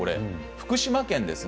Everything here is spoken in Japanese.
福島県です。